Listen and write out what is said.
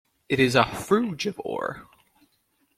It is a frugivore.